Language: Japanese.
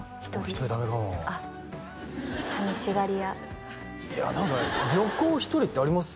１人ダメかもあっ寂しがり屋いや旅行１人ってあります？